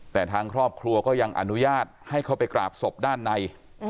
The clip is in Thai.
แต่ทางครอบครัวก็ยังอนุญาตให้เข้าไปกราบศพด้านใน